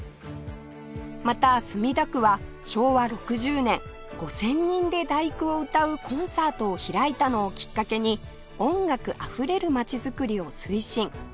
また墨田区は昭和６０年５０００人で『第九』を歌うコンサートを開いたのをきっかけに音楽あふれる街づくりを推進